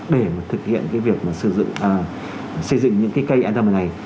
để thực hiện cái việc xây dựng những cái cây atm này